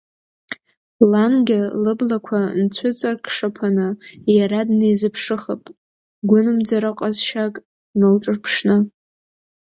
Лангьы лыблақәа нцәыҵыркшаԥаны иара днеизыԥшыхып, гәынамӡараҟазшьак налҿырԥшны.